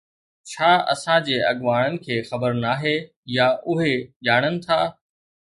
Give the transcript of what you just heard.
ڇا اسان جي اڳواڻن کي خبر ناهي يا اهي ڄاڻن ٿا